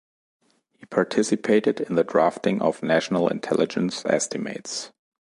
He participated in the drafting of National Intelligence Estimates.